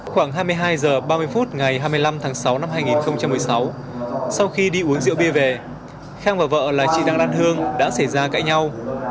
khoảng hai mươi hai h ba mươi phút ngày hai mươi năm tháng sáu năm hai nghìn một mươi sáu sau khi đi uống rượu bia về khang và vợ là chị đăng lan hương đã xảy ra cãi nhau